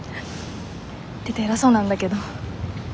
言ってて偉そうなんだけど。